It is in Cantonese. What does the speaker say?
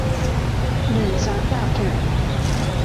聯想集團